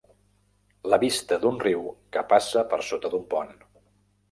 La vista d'un riu que passa per sota d'un pont.